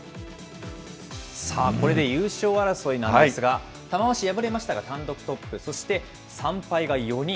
さあ、これで優勝争いなんですが、玉鷲、敗れましたが単独トップ、そして３敗が４人。